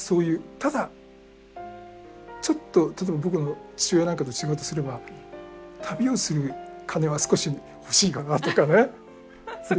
ただちょっと例えば僕の父親なんかと違うとすれば旅をする金は少し欲しいかなとかね。